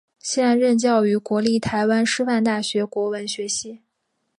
现任教于国立台湾师范大学国文学系。